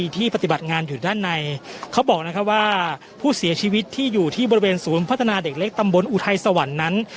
ที่ปฏิบัติงานอยู่ด้านในเขาบอกนะครับว่าผู้เสียชีวิตที่อยู่ที่บริเวณศูนย์พัฒนาเด็กเล็กตำบลอุทัยสวรรค์นั้น